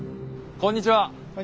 こんにちは。